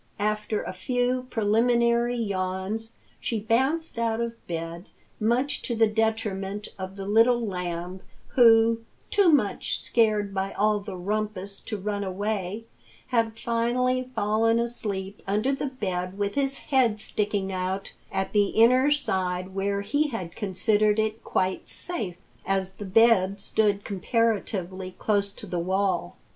After a few preliminary yawns, she bounced out of bed, much to the detriment of the Little Lamb who, too much scared by all the rumpus to run away, had finally fallen asleep under the bed with his head sticking out at the inner side where he had considered it quite safe, as the bed stood comparatively close to the wall.